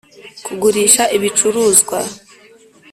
kugurisha ibicuruzwa .